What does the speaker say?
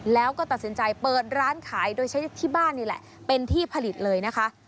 แล้วก็ตัดสินใจเปิดร้านขายโดยใช้ที่บ้านนี่แหละเป็นที่ผลิตเลยนะคะ